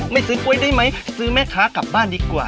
ไม่ซื้อกล้วยได้ไหมซื้อแม่ค้ากลับบ้านดีกว่า